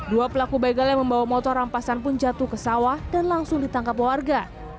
dua pelaku begal yang membawa motor rampasan pun jatuh ke sawah dan langsung ditangkap warga